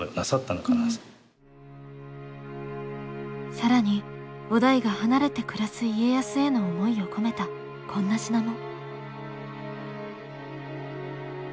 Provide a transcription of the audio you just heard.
更に於大が離れて暮らす家康への思いを込めたこんな品も。